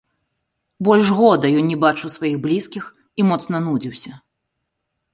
Больш года ён не бачыў сваіх блізкіх і моцна нудзіўся.